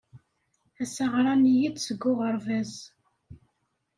Ass-a ɣran-iyi-d seg uɣerbaz.